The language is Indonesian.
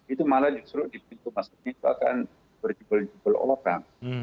itu malah justru di pintu masjid itu akan berjubel jubel orang